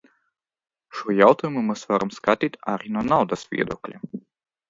Šo jautājumu mēs varam skatīt arī no naudas viedokļa.